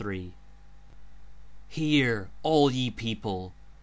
Hear, all ye People!